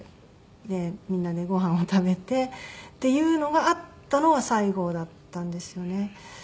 みんなでご飯を食べてっていうのがあったのが最後だったんですよね。